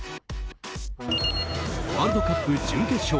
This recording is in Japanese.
ワールドカップ準決勝